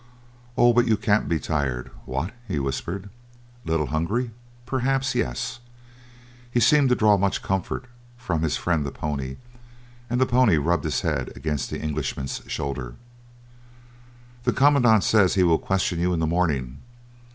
"Oh, but you can't be tired. What?" he whispered. "A little hungry, perhaps. Yes?" He seemed to draw much comfort from his friend the pony, and the pony rubbed his head against the Englishman's shoulder. "The commandant says he will question you in the morning.